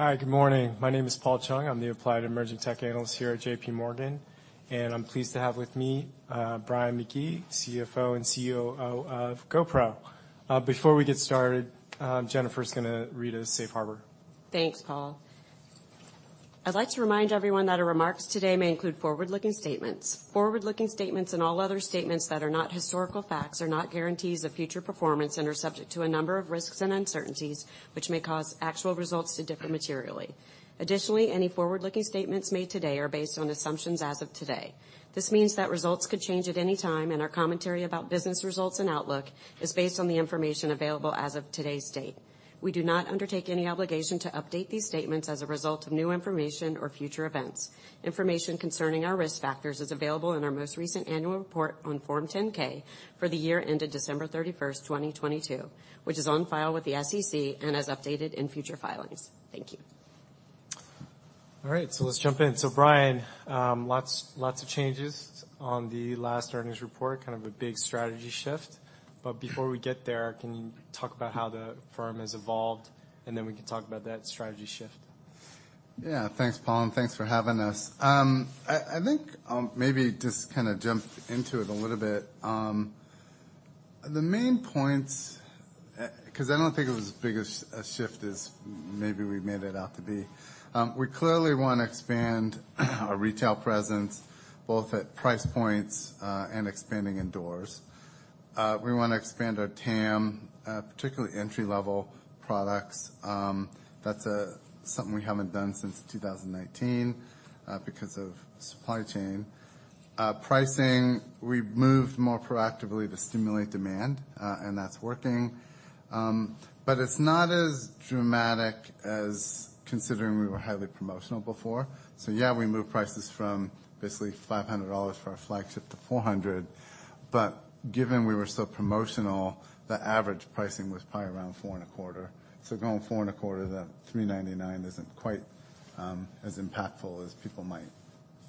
Hi, good morning. My name is Paul Chung. I'm the applied emerging tech analyst here at JPMorgan. I'm pleased to have with me Brian McGee, CFO and COO of GoPro. Before we get started, Jennifer is gonna read a Safe Harbor. Thanks, Paul. I'd like to remind everyone that our remarks today may include forward-looking statements. Forward-looking statements and all other statements that are not historical facts are not guarantees of future performance and are subject to a number of risks and uncertainties, which may cause actual results to differ materially. Additionally, any forward-looking statements made today are based on assumptions as of today. This means that results could change at any time, and our commentary about business results and outlook is based on the information available as of today's date. We do not undertake any obligation to update these statements as a result of new information or future events. Information concerning our Risk Factors is available in our most recent Annual Report on Form 10-K for the year ended December 31st, 2022, which is on file with the SEC and as updated in future filings. Thank you. All right, let's jump in. Brian, lots of changes on the last earnings report, kind of a big strategy shift. Before we get there, can you talk about how the firm has evolved, and then we can talk about that strategy shift. Yeah. Thanks, Paul, and thanks for having us. I think I'll maybe just kinda jump into it a little bit. The main points, 'cause I don't think it was as big a shift as maybe we made it out to be. We clearly wanna expand our retail presence, both at price points, and expanding indoors. We wanna expand our TAM, particularly entry-level products. That's something we haven't done since 2019, because of supply chain. Pricing, we've moved more proactively to stimulate demand, and that's working. But it's not as dramatic as considering we were heavily promotional before. Yeah, we moved prices from basically $500 for our flagship to $400, but given we were so promotional, the average pricing was probably around $4.25 quarter. Going $4.25 to $3.99 isn't quite as impactful as people might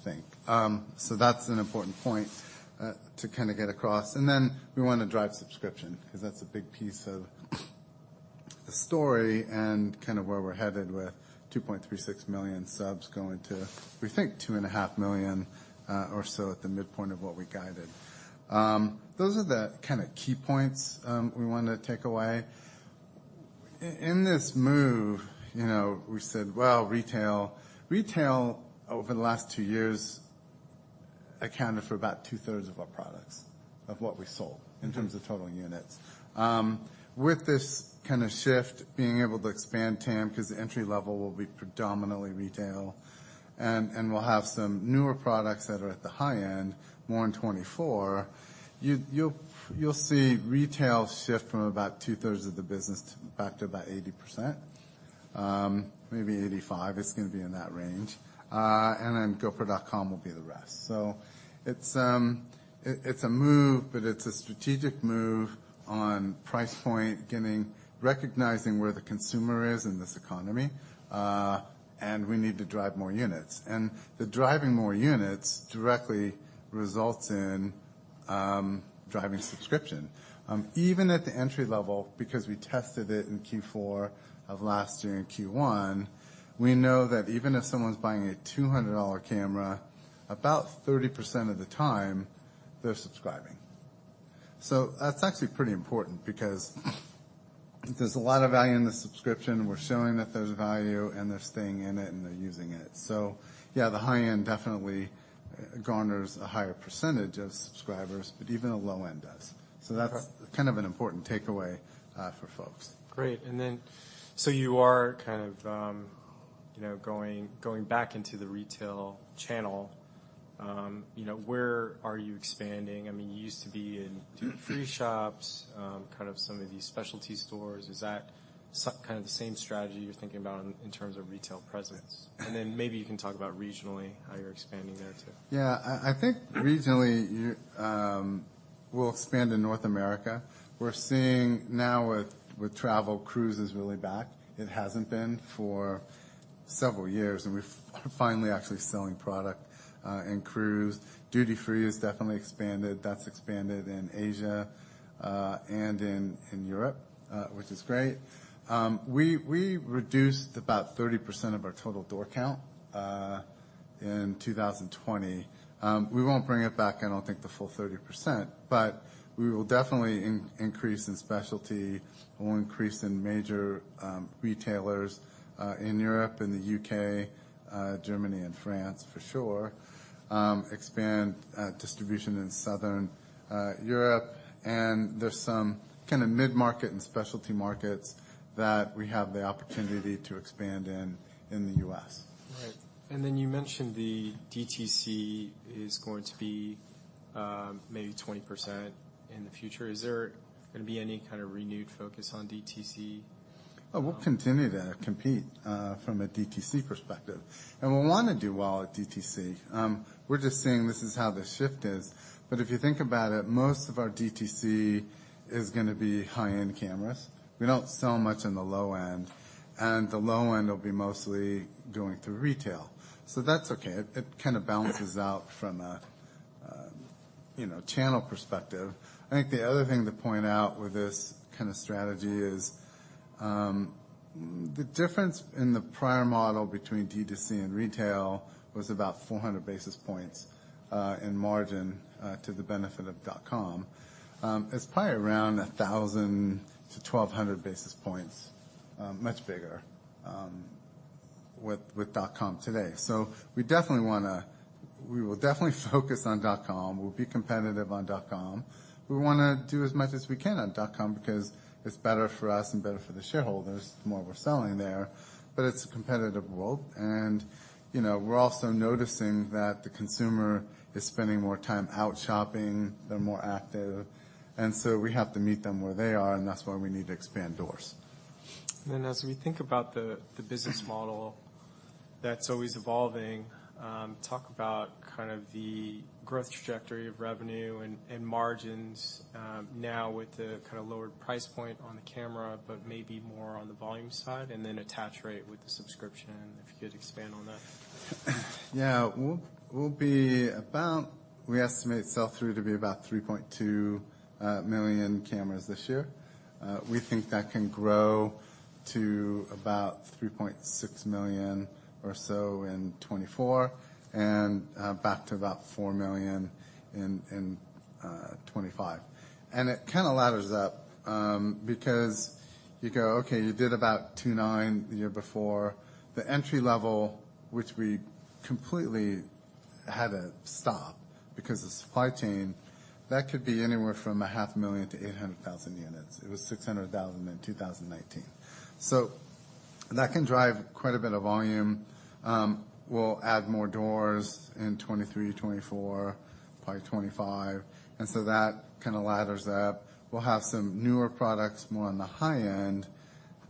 think. That's an important point to kinda get across. Then we wanna drive subscription 'cause that's a big piece of the story and kind of where we're headed with 2.36 million subs going to, we think, two and a half million or so at the midpoint of what we guided. Those are the kinda key points we wanted to take away. In this move, you know, we said, well, retail, over the last two years, accounted for about two-thirds of our products, of what we sold- Mm-hmm. In terms of total units. With this kind of shift, being able to expand TAM, 'cause the entry level will be predominantly retail, and we'll have some newer products that are at the high end, more in 2024, you'll see retail shift from about 2/3 of the business back to about 80%, maybe 85%. It's gonna be in that range. Then gopro.com will be the rest. It's a move, but it's a strategic move on price point, recognizing where the consumer is in this economy, and we need to drive more units. The driving more units directly results in driving subscription. Even at the entry level, because we tested it in Q4 of last year and Q1, we know that even if someone's buying a $200 camera, about 30% of the time they're subscribing. That's actually pretty important because there's a lot of value in the subscription. We're showing that there's value, and they're staying in it, and they're using it. Yeah, the high end definitely garners a higher percentage of subscribers, but even the low end does. Okay. That's kind of an important takeaway, for folks. Great. You are kind of, you know, going back into the retail channel. You know, where are you expanding? I mean, you used to be in duty free shops, kind of some of these specialty stores. Is that kind of the same strategy you're thinking about in terms of retail presence? Maybe you can talk about regionally, how you're expanding there too. I think regionally, you, we'll expand in North America. We're seeing now with travel, cruise is really back. It hasn't been for several years, and we're finally actually selling product in cruise. Duty free has definitely expanded. That's expanded in Asia and in Europe, which is great. We reduced about 30% of our total door count in 2020. We won't bring it back in, I think, the full 30%, but we will definitely increase in specialty. We'll increase in major retailers in Europe, in the U.K., Germany and France for sure. Expand distribution in Southern Europe. There's some kinda mid-market and specialty markets that we have the opportunity to expand in the U.S. Right. You mentioned the DTC is going to be maybe 20% in the future. Is there gonna be any kind of renewed focus on DTC? We'll continue to compete from a DTC perspective, we wanna do well at DTC. We're just saying this is how the shift is. If you think about it, most of our DTC is gonna be high-end cameras. We don't sell much in the low end, the low end will be mostly going through retail. That's okay. It kind of balances out from a You know, channel perspective. I think the other thing to point out with this kind of strategy is the difference in the prior model between D2C and retail was about 400 basis points in margin to the benefit of dot-com. It's probably around 1,000-1,200 basis points, much bigger with dot-com today. We will definitely focus on dot-com. We'll be competitive on dot-com. We wanna do as much as we can on dot-com because it's better for us and better for the shareholders the more we're selling there. It's a competitive world. You know, we're also noticing that the consumer is spending more time out shopping. They're more active, and so we have to meet them where they are, and that's why we need to expand doors. As we think about the business model that's always evolving, talk about kind of the growth trajectory of revenue and margins, now with the kinda lower price point on the camera, but maybe more on the volume side and then attach rate with the subscription. If you could expand on that. Yeah. We estimate sell-through to be about 3.2 million cameras this year. We think that can grow to about 3.6 million or so in 2024 and back to about 4 million in 2025. It kinda ladders up, because you go, okay, you did about 2.9 million the year before. The entry level, which we completely had to stop because of supply chain, that could be anywhere from a 500,000-800,000 units. It was 600,000 in 2019. That can drive quite a bit of volume. We'll add more doors in 2023, 2024, probably 2025, that kinda ladders up. We'll have some newer products more on the high end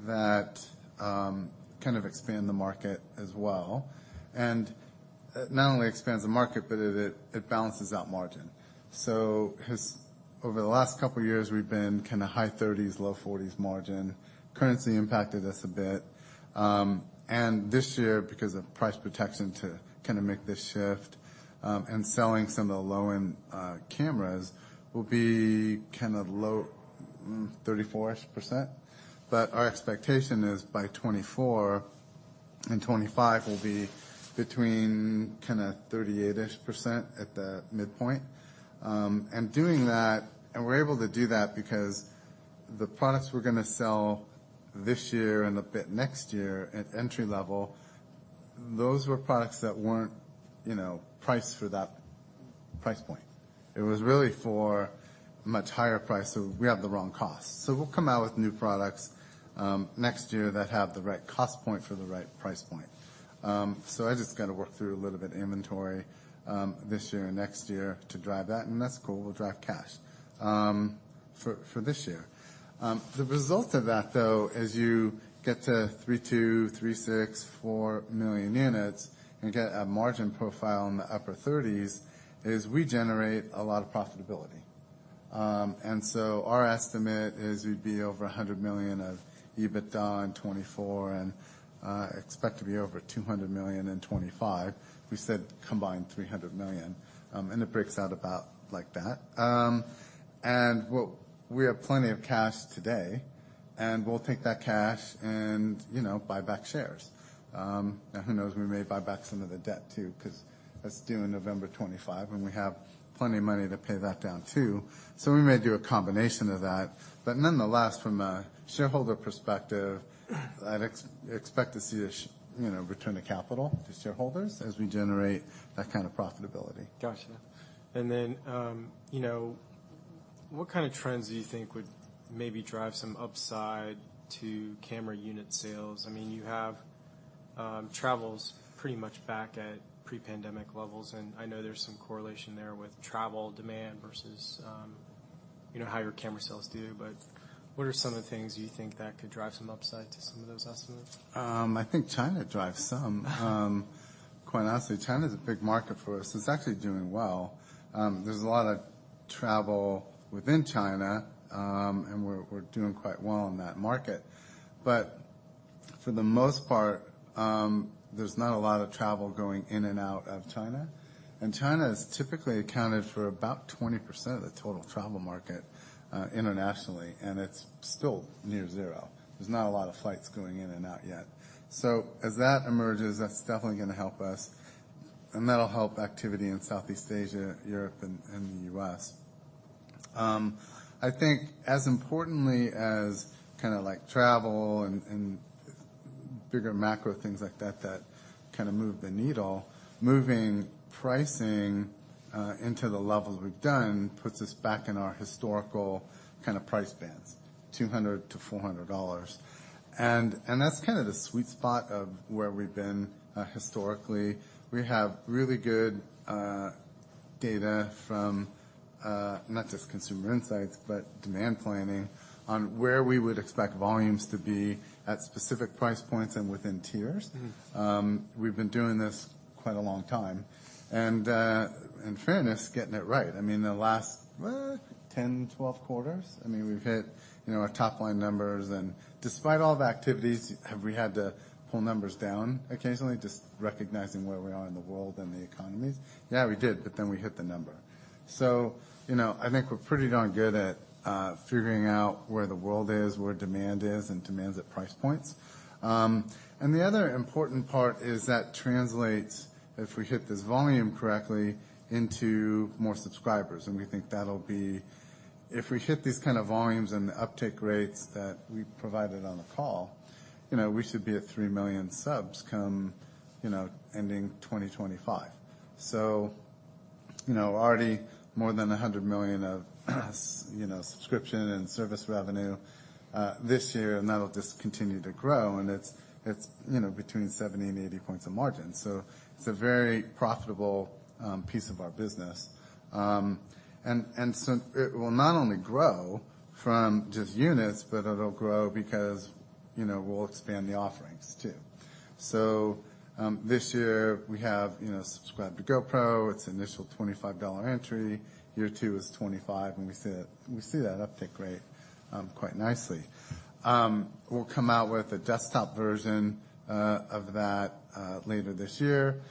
that kind of expand the market as well. It not only expands the market, but it balances out margin. Over the last couple years we've been kinda high 30s, low 40s margin. Currency impacted us a bit. This year, because of price protection to kinda make this shift, and selling some of the low-end cameras will be kind of low, 34%-ish. Our expectation is by 2024 and 2025, we'll be between kinda 38%-ish at the midpoint. Doing that and we're able to do that because the products we're gonna sell this year and a bit next year at entry level, those were products that weren't, you know, priced for that price point. It was really for much higher price, so we have the wrong cost. We'll come out with new products, next year that have the right cost point for the right price point. I just gotta work through a little bit inventory, this year and next year to drive that, and that's cool. We'll drive cash, for this year. The result of that, though, as you get to 3.2 million, 3.6 million, 4 million units and get a margin profile in the upper 30s, is we generate a lot of profitability. Our estimate is we'd be over $100 million of EBITDA in 2024 and expect to be over $200 million in 2025. We said combined $300 million. It breaks out about like that. We, we have plenty of cash today, and we'll take that cash and, you know, buy back shares. Who knows, we may buy back some of the debt too, 'cause that's due in November 2025, and we have plenty of money to pay that down too. We may do a combination of that. Nonetheless, from a shareholder perspective, I'd expect to see a you know, return to capital to shareholders as we generate that kind of profitability. Gotcha. You know, what kind of trends do you think would maybe drive some upside to camera unit sales? I mean, you have, travels pretty much back at pre-pandemic levels, and I know there's some correlation there with travel demand versus, you know, how your camera sales do. But what are some of the things you think that could drive some upside to some of those estimates? I think China drives some. Quite honestly, China's a big market for us. It's actually doing well. There's a lot of travel within China, and we're doing quite well in that market. For the most part, there's not a lot of travel going in and out of China. China is typically accounted for about 20% of the total travel market, internationally, and it's still near zero. There's not a lot of flights going in and out yet. As that emerges, that's definitely gonna help us. That'll help activity in Southeast Asia, Europe, and the U.S. I think as importantly as kinda like travel and bigger macro things like that that kinda move the needle, moving pricing into the levels we've done puts us back in our historical kinda price bands, $200-$400. That's kinda the sweet spot of where we've been historically. We have really good data from not just consumer insights, but demand planning on where we would expect volumes to be at specific price points and within tiers. Mm-hmm. We've been doing this quite a long time. In fairness, getting it right. I mean, the last 10 quarters, 12 quarters. I mean, we've hit, you know, our top line numbers, and despite all the activities, have we had to pull numbers down occasionally, just recognizing where we are in the world and the economies? Yeah, we did, but then we hit the number. You know, I think we're pretty darn good at figuring out where the world is, where demand is, and demands at price points. The other important part is that translates, if we hit this volume correctly, into more subscribers. We think that'll be... If we hit these kind of volumes and the uptake rates that we provided on the call, you know, we should be at 3 million subs come, you know, ending 2025. You know, already more than $100 million of, you know, subscription and service revenue this year, and that'll just continue to grow, and it's, you know, between 70 and 80 points of margin. It's a very profitable piece of our business. It will not only grow from just units, but it'll grow because, you know, we'll expand the offerings too. This year we have, you know, Subscribe to GoPro. It's initial $25 entry. Year two is $25, and we see that uptake rate quite nicely. We'll come out with a desktop version of that later this year.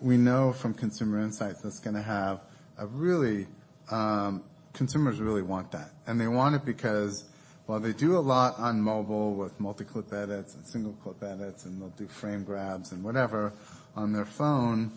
We know from consumer insights that's gonna have a really. Consumers really want that. They want it because while they do a lot on mobile with multi-clip edits and single clip edits, and they'll do frame grabs and whatever on their phone,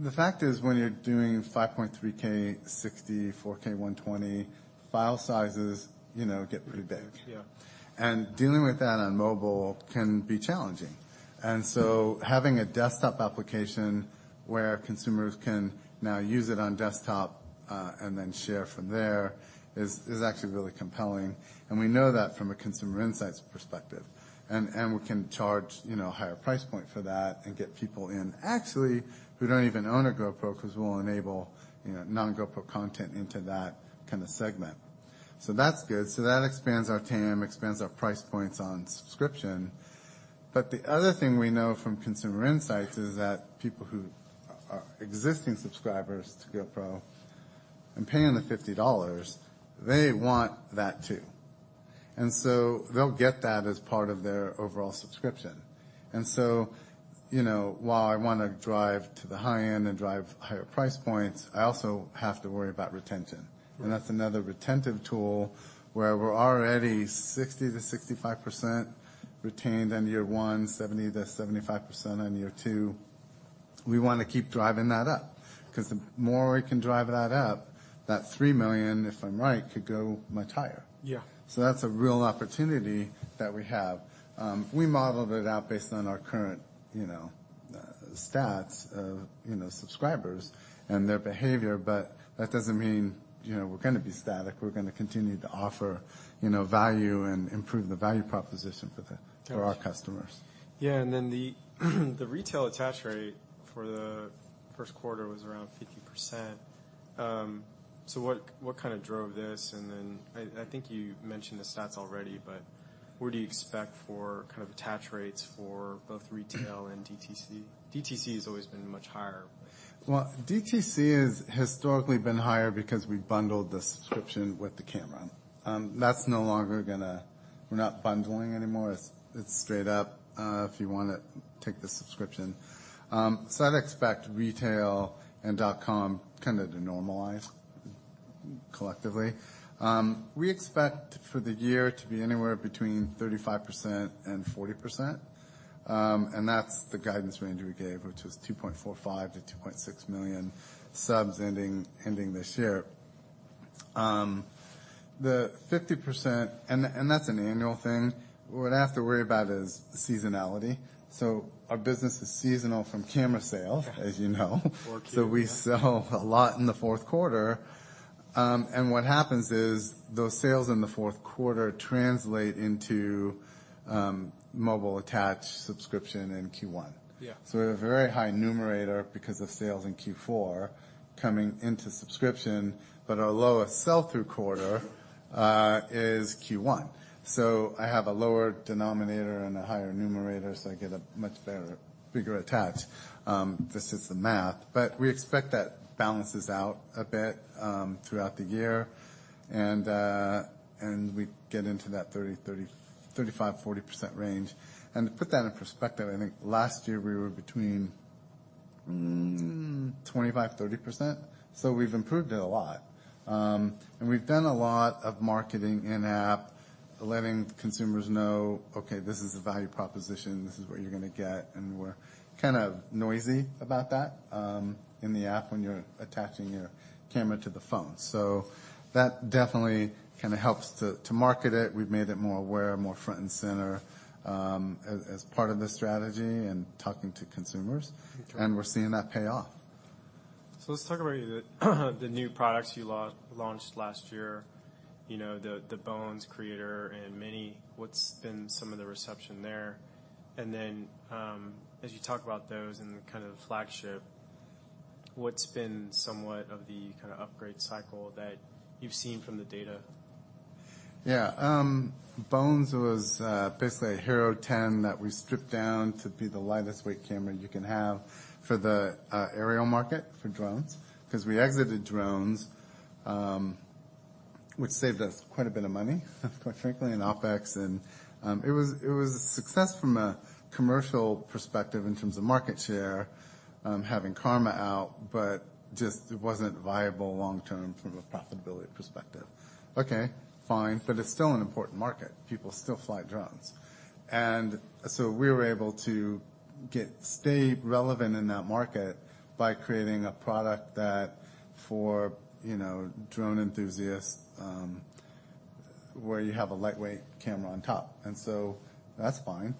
the fact is, when you're doing 5.3K, 60, 4K120, file sizes, you know, get pretty big. Yeah. Dealing with that on mobile can be challenging. Having a desktop application where consumers can now use it on desktop, and then share from there is actually really compelling. We know that from a consumer insights perspective. We can charge, you know, a higher price point for that and get people in actually who don't even own a GoPro, 'cause we'll enable, you know, non-GoPro content into that kind of segment. That's good. That expands our TAM, expands our price points on subscription. The other thing we know from consumer insights is that people who are existing subscribers to GoPro and paying the $50, they want that too. They'll get that as part of their overall subscription. You know, while I wanna drive to the high end and drive higher price points, I also have to worry about retention. Right. That's another retentive tool where we're already 60%-65% retained on year one, 70%-75% on year two. We wanna keep driving that up, 'cause the more we can drive that up, that $3 million, if I'm right, could go much higher. Yeah. That's a real opportunity that we have. We modeled it out based on our current, you know, stats of, you know, subscribers and their behavior, but that doesn't mean, you know, we're gonna be static. We're gonna continue to offer, you know, value and improve the value proposition for Gotcha. for our customers. Yeah. The retail attach rate for the first quarter was around 50%. What kind of drove this? I think you mentioned the stats already, but what do you expect for kind of attach rates for both retail and DTC? DTC has always been much higher. Well, DTC has historically been higher because we bundled the subscription with the camera. We're not bundling anymore. It's straight up if you wanna take the subscription. I'd expect retail and dot-com kind of to normalize collectively. We expect for the year to be anywhere between 35% and 40%. That's the guidance range we gave, which was 2.45 million subs-2.6 million subs ending this year. That's an annual thing. What I have to worry about is seasonality. Our business is seasonal from camera sales- Got it. as you know. 4Q. Yeah. We sell a lot in the fourth quarter. What happens is those sales in the fourth quarter translate into mobile attached subscription in Q1. Yeah. We have a very high numerator because of sales in Q4 coming into subscription, but our lowest sell-through quarter is Q1. I have a lower denominator and a higher numerator, so I get a much better, bigger attach. This is the math. We expect that balances out a bit throughout the year. We get into that 30%, 35%, 40% range. To put that in perspective, I think last year we were between 25%-30%. We've improved it a lot. We've done a lot of marketing in-app, letting consumers know, okay, this is the value proposition, this is what you're gonna get. We're kind of noisy about that in the app when you're attaching your camera to the phone. That definitely kind of helps to market it. We've made it more aware, more front and center, as part of the strategy and talking to consumers. Gotcha. We're seeing that pay off. Let's talk about the new products you launched last year, you know, the Bones Creator and Mini. What's been some of the reception there? As you talk about those and kind of the flagship, what's been somewhat of the kind of upgrade cycle that you've seen from the data? Yeah. Bones was basically a Hero10 that we stripped down to be the lightest weight camera you can have for the aerial market for drones. We exited drones, which saved us quite a bit of money, quite frankly, in OpEx. It was a success from a commercial perspective in terms of market share, having Karma out, but just it wasn't viable long-term from a profitability perspective. Okay, fine. It's still an important market. People still fly drones. We were able to stay relevant in that market by creating a product that for, you know, drone enthusiasts, where you have a lightweight camera on top. That's fine.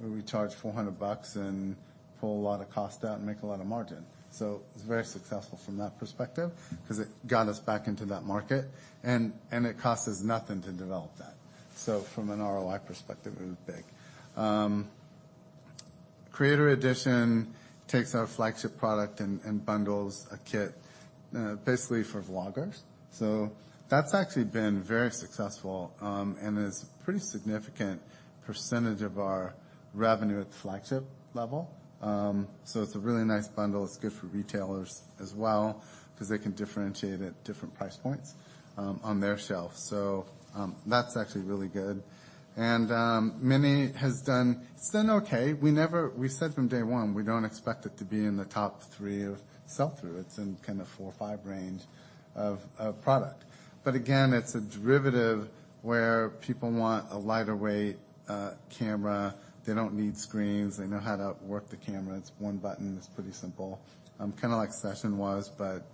We charge $400 and pull a lot of cost out and make a lot of margin. It's very successful from that perspective because it got us back into that market and it cost us nothing to develop that. From an ROI perspective, it was big. Creator Edition takes our flagship product and bundles a kit basically for vloggers. That's actually been very successful and it's a pretty significant percentage of our revenue at the flagship level. It's a really nice bundle. It's good for retailers as well because they can differentiate at different price points on their shelf. That's actually really good. Mini is doing okay. We said from day one, we don't expect it to be in the top 3 of sell through. It's in kind of 4 or 5 range of product. Again, it's a derivative where people want a lighter weight camera. They don't need screens. They know how to work the camera. It's one button. It's pretty simple. kind of like Session was, but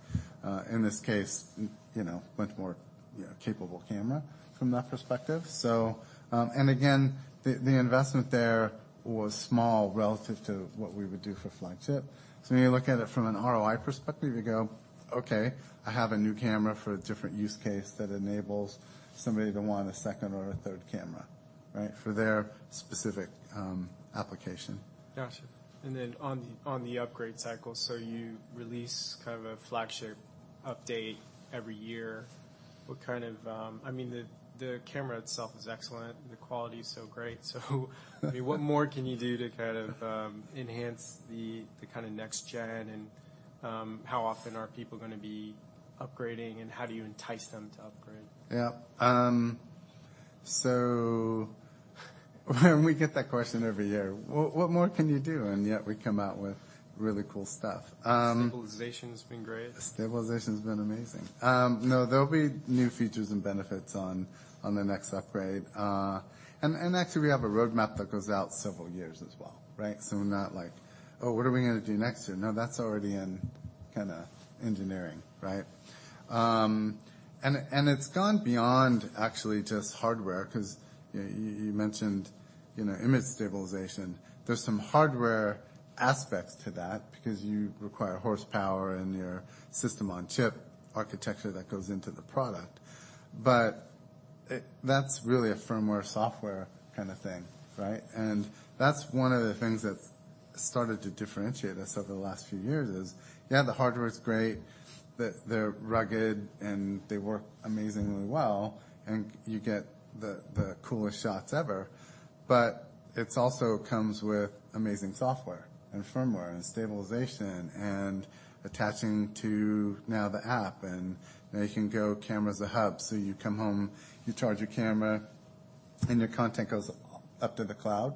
in this case, you know, much more, you know, capable camera from that perspective. Again, the investment there was small relative to what we would do for flagship. When you look at it from an ROI perspective, you go, Okay, I have a new camera for a different use case that enables somebody to want a second or a third camera, right? For their specific application. Got you. On the, on the upgrade cycle. You release kind of a flagship update every year. What kind of, I mean, the camera itself is excellent. The quality is so great. I mean, what more can you do to kind of, enhance the kind of next gen and, how often are people gonna be upgrading and how do you entice them to upgrade? Yep. We get that question every year. What more can you do? Yet we come out with really cool stuff. Stabilization's been great. Stabilization's been amazing. No, there'll be new features and benefits on the next upgrade. Actually we have a roadmap that goes out several years as well, right? We're not like, Oh, what are we gonna do next year? No, that's already in kinda engineering, right? It's gone beyond actually just hardware because you mentioned, you know, image stabilization. There's some hardware aspects to that because you require horsepower in your system on chip architecture that goes into the product. That's really a firmware, software kind of thing, right? That's one of the things that's started to differentiate us over the last few years is, yeah, the hardware is great, they're rugged and they work amazingly well and you get the coolest shots ever. It's also comes with amazing software and firmware and stabilization and attaching to now the app, and now you can go camera as a hub. You come home, you charge your camera and your content goes up to the cloud,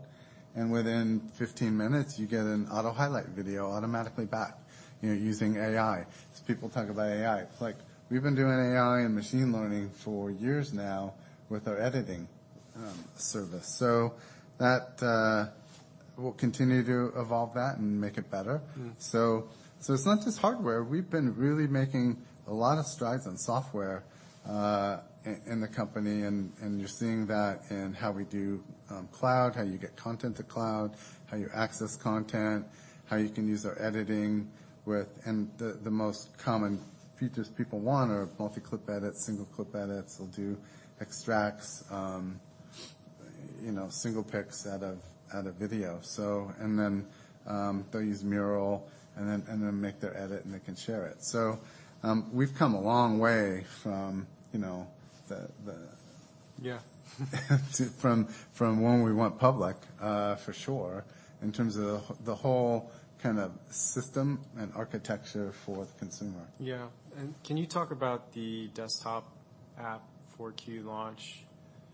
and within 15 minutes you get an auto highlight video automatically back, you know, using AI. As people talk about AI, it's like we've been doing AI and machine learning for years now with our editing service. That we'll continue to evolve that and make it better. Mm. It's not just hardware. We've been really making a lot of strides on software, in the company and you're seeing that in how we do cloud, how you get content to cloud, how you access content, how you can use our editing with. The most common features people want are multi-clip edits, single clip edits. They'll do extracts, you know, single pics out of video. They'll use Mural and then make their edit and they can share it. We've come a long way from, you know. Yeah. From when we went public, for sure in terms of the whole kind of system and architecture for the consumer. Yeah. Can you talk about the desktop app 4Q launch?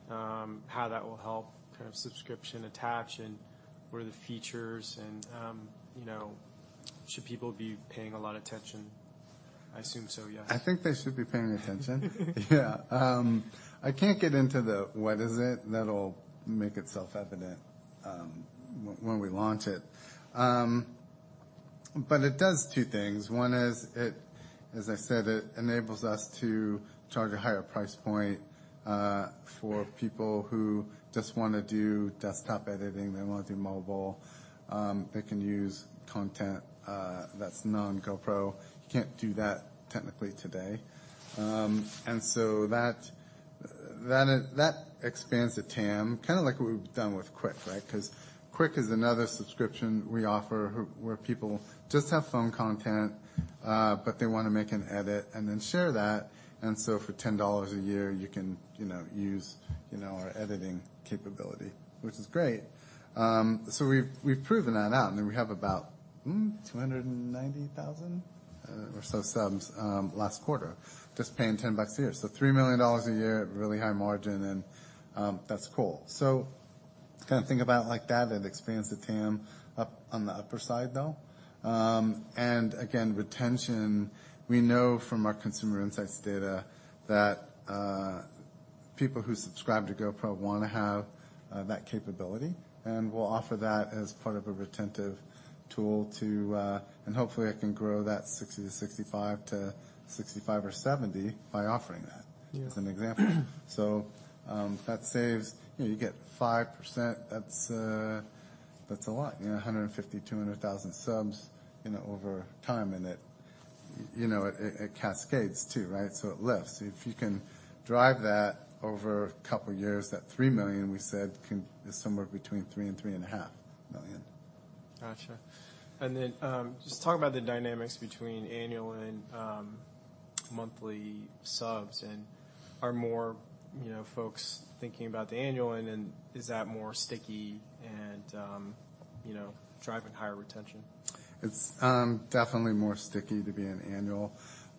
How that will help kind of subscription attach and what are the features and, you know, should people be paying a lot of attention? I assume so, yes. I think they should be paying attention. Yeah. I can't get into the what is it that'll make itself evident when we launch it. It does two things. One is it, as I said, it enables us to charge a higher price point for people who just wanna do desktop editing. They don't wanna do mobile. They can use content that's non-GoPro. You can't do that technically today. That expands the TAM, kind of like what we've done with Quik, right? 'Cause Quik is another subscription we offer where people just have phone content, they wanna make an edit and then share that. For $10 a year, you can, you know, use, you know, our editing capability, which is great. we've proven that out, and then we have about 290,000 or so subs last quarter just paying $10 million a year. $3 million a year at really high margin, and that's cool. Just kinda think about it like that expands the TAM up on the upper side, though. Again, retention, we know from our consumer insights data that people who subscribe to GoPro wanna have that capability, and we'll offer that as part of a retentive tool to. Hopefully I can grow that 60%-65% to 65% or 70% by offering that. Yes. as an example. That saves. You know, you get 5%, that's a lot. You know, 150,000-200,000 subs, you know, over time. It, you know, it cascades too, right? It lifts. If you can drive that over a couple years, that $3 million we said can is somewhere between $3 million and $3.5 million. Gotcha. Just talk about the dynamics between annual and monthly subs, and are more, you know, folks thinking about the annual, and then is that more sticky and, you know, driving higher retention? It's, definitely more sticky to be an annual.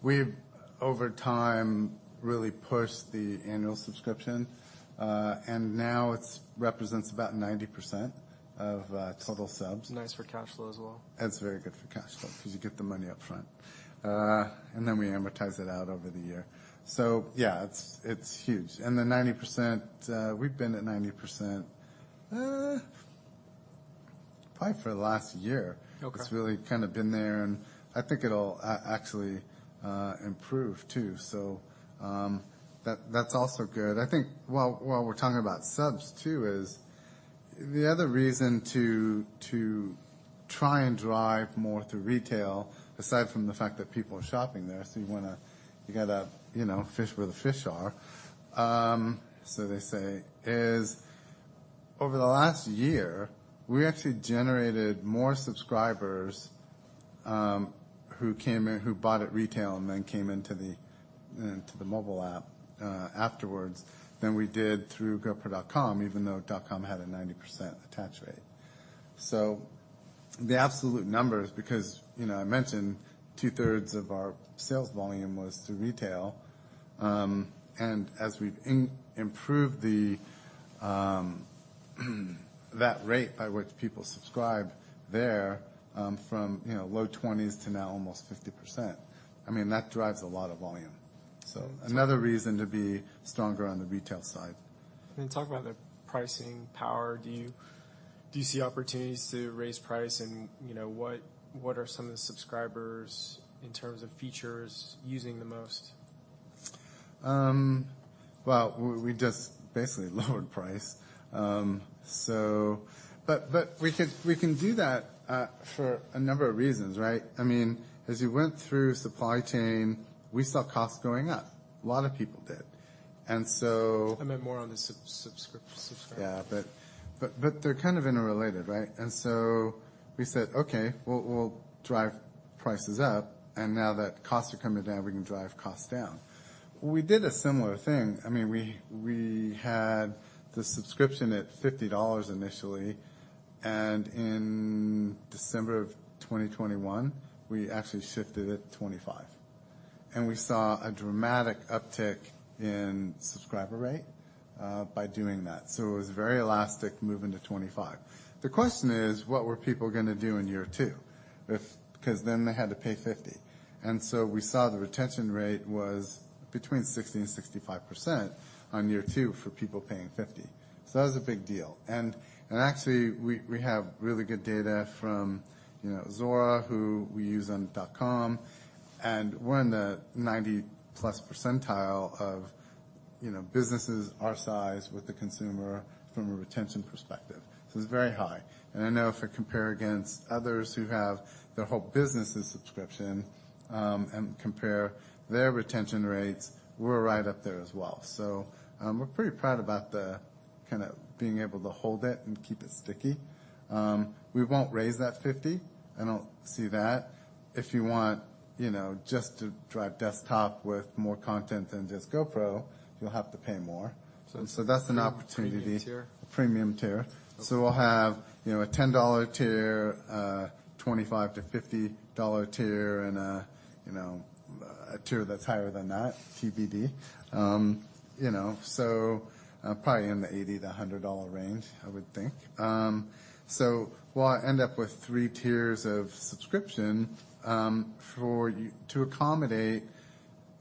We've, over time, really pushed the annual subscription. Now it's represents about 90% of total subs. Nice for cash flow as well. It's very good for cash flow 'cause you get the money up front. Then we amortize it out over the year. Yeah, it's huge. The 90%, we've been at 90%, probably for the last year. Okay. It's really kinda been there, and I think it'll actually improve too. That, that's also good. I think while we're talking about subs too is the other reason to try and drive more through retail, aside from the fact that people are shopping there, so you wanna you gotta, you know, fish where the fish are, so they say, is over the last year, we actually generated more subscribers, who came in, who bought at retail and then came into the mobile app afterwards than we did through gopro.com, even though gopro.com had a 90% attach rate. The absolute numbers, because, you know, I mentioned 2/3 of our sales volume was through retail, and as we've improved the that rate by which people subscribe there, from, you know, low 20s to now almost 50%, I mean, that drives a lot of volume. Another reason to be stronger on the retail side. Then talk about the pricing power. Do you see opportunities to raise price? You know, what are some of the subscribers in terms of features using the most? Well, we just basically lowered price. We can do that for a number of reasons, right? I mean, as you went through supply chain, we saw costs going up. A lot of people did. I meant more on the sub-subscription. Yeah. They're kind of interrelated, right? We said, Okay, we'll drive prices up, and now that costs are coming down, we can drive costs down. We did a similar thing. I mean, we had the subscription at $50 initially, and in December of 2021, we actually shifted it to 2025. We saw a dramatic uptick in subscriber rate by doing that. It was very elastic moving to 2025. The question is, what were people gonna do in year two if 'cause then they had to pay $50. We saw the retention rate was between 60%-65% on year two for people paying $50. That was a big deal. Actually we have really good data from, you know, Zuora, who we use on dot com, and we're in the 90-plus percentile of, you know, businesses our size with the consumer from a retention perspective. It's very high. I know if I compare against others who have their whole business as subscription, and compare their retention rates, we're right up there as well. We're pretty proud about the kinda being able to hold it and keep it sticky. We won't raise that $50. I don't see that. If you want, you know, just to drive desktop with more content than just GoPro, you'll have to pay more. So- That's an opportunity. a premium tier? A premium tier. Okay. we'll have, you know, a $10 tier, a $25-$50 tier, and a, you know, a tier that's higher than that, TBD. Probably in the $80-$100 range, I would think. we'll end up with three tiers of subscription to accommodate,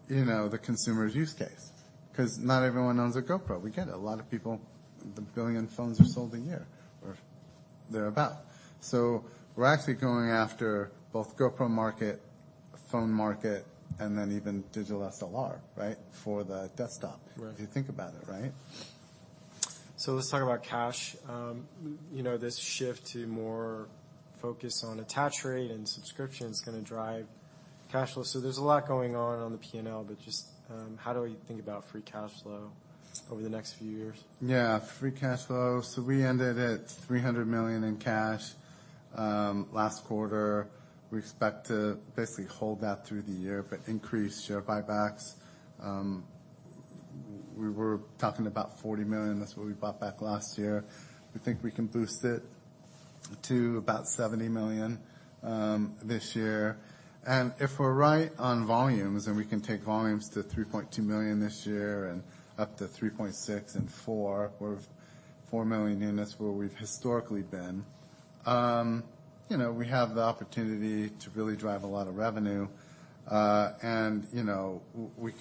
you know, the consumer's use case. 'Cause not everyone owns a GoPro. We get it. A lot of people... 1 billion phones are sold a year or thereabout. we're actually going after both GoPro market, phone market, and then even digital SLR, right? For the desktop. Right. If you think about it, right? Let's talk about cash. You know, this shift to more focus on attach rate and subscription is gonna drive cash flow. There's a lot going on on the P&L, but just how do we think about free cash flow over the next few years? Free cash flow. We ended at $300 million in cash last quarter. We expect to basically hold that through the year, but increase share buybacks. We were talking about $40 million. That's what we bought back last year. We think we can boost it to about $70 million this year. If we're right on volumes, we can take volumes to 3.2 million this year and up to 3.6 million and 4 million, or 4 million, and that's where we've historically been, you know, we have the opportunity to really drive a lot of revenue. You know, we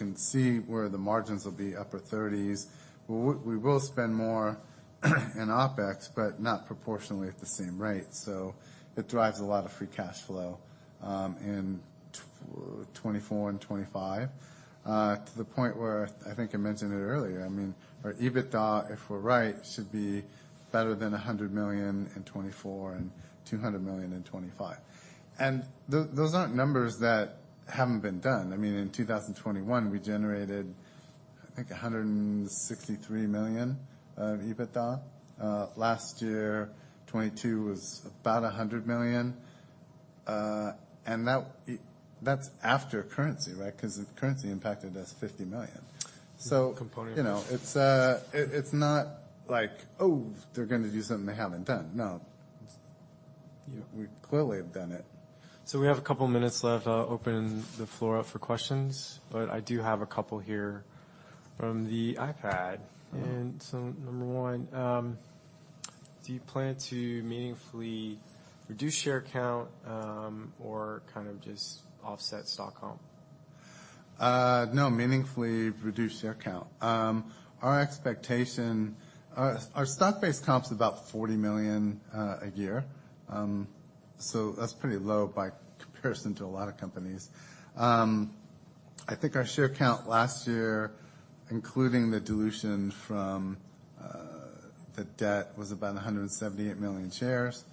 will spend more in OpEx, but not proportionally at the same rate. It drives a lot of free cash flow in 2024 and 2025, to the point where I think I mentioned it earlier, I mean, our EBITDA, if we're right, should be better than $100 million in 2024 and $200 million in 2025. Those aren't numbers that haven't been done. I mean, in 2021, we generated, I think, $163 million of EBITDA. Last year, 2022, was about $100 million. And that's after currency, right? Because currency impacted us $50 million. Component. You know, it's not like, oh, they're gonna do something they haven't done. No. We clearly have done it. We have a couple minutes left. I'll open the floor up for questions, but I do have a couple here from the iPad. Mm-hmm. Number one, do you plan to meaningfully reduce share count, or kind of just offset stock comp? No, meaningfully reduce share count. Our expectation. Our Stock-Based Compensation is about $40 million a year. That's pretty low by comparison to a lot of companies. I think our share count last year, including the dilution from the debt, was about 178 million shares.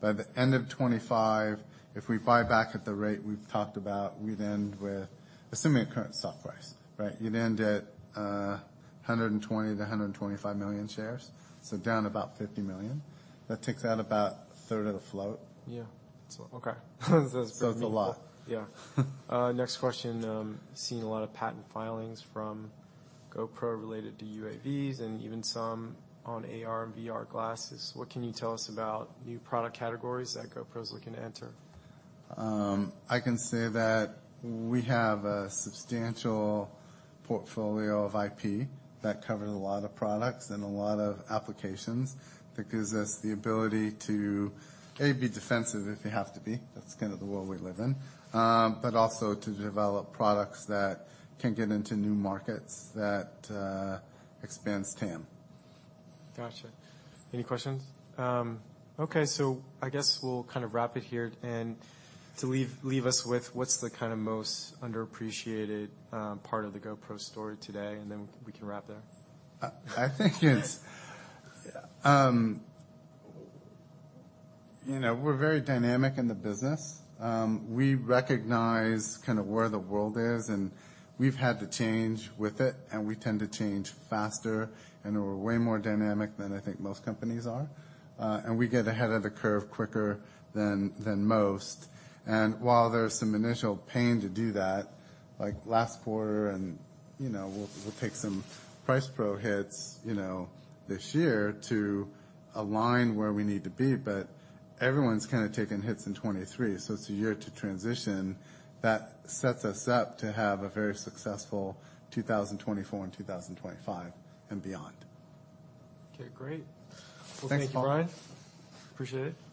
By the end of 2025, if we buy back at the rate we've talked about, we'd end with, assuming a current stock price, right? You'd end at 120 million-125 million shares. Down about 50 million. That takes out about a third of the float. Yeah. Okay. That's pretty cool. It's a lot. Yeah. Next question, seeing a lot of patent filings from GoPro related to UAVs and even some on AR and VR glasses. What can you tell us about new product categories that GoPro is looking to enter? I can say that we have a substantial portfolio of IP that covers a lot of products and a lot of applications that gives us the ability to, A, be defensive if you have to be, that's kind of the world we live in, but also to develop products that can get into new markets that expands TAM. Gotcha. Any questions? okay. I guess we'll kind of wrap it here. To leave us with what's the kind of most underappreciated, part of the GoPro story today, and then we can wrap there. I think, you know, we're very dynamic in the business. We recognize kind of where the world is, and we've had to change with it, and we tend to change faster, and we're way more dynamic than I think most companies are. We get ahead of the curve quicker than most. While there's some initial pain to do that, like last quarter and, you know, we'll take some price pro hits, you know, this year to align where we need to be, but everyone's kind of taking hits in '23, so it's a year to transition. That sets us up to have a very successful 2024 and 2025 and beyond. Okay, great. Thanks, Paul. Well, thank you, Brian. Appreciate it.